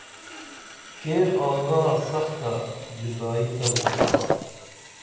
کیر آگا سختہ جدائی تہ موں ݜا